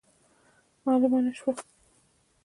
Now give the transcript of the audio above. معلومه نه سوه.